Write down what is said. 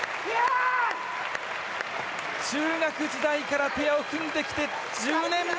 中学時代からペアを組んできて１０年目。